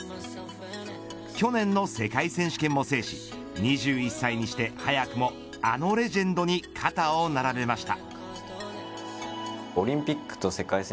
去年の世界選手権も制し２１歳にして、早くもあのレジェンドに肩を並べました。